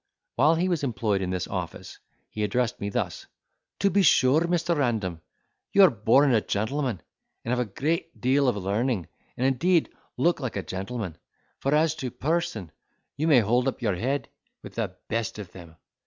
While he was employed in this office, he addressed me thus: "To be sure, Mr. Random, you are born a gentleman, and have a great deal of learning—and, indeed, look like a gentleman; for, as to person, you may hold up your head with the best of them.